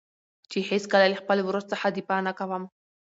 چې هېڅکله له خپل ورور څخه دفاع نه کوم.